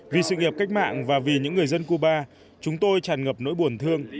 vì sự nghiệp cách mạng và vì những người dân cuba chúng tôi tràn ngập nỗi buồn thương